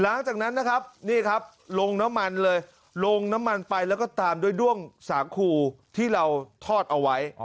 หลังจากนั้นนะครับนี่ครับลงน้ำมันเลยลงน้ำมันไปแล้วก็ตามด้วยด้วงสาคูที่เราทอดเอาไว้